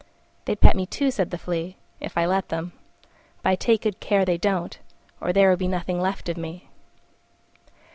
"They'd pat me, too," said the Flea, "if I let them: but I take good care they don't, or there would be nothing left of me."